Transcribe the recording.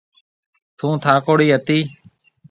ٿُون ٿاڪوڙِي هتي۔